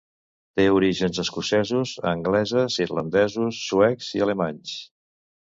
Té orígens escocesos, angleses, irlandesos, suecs, i alemanys.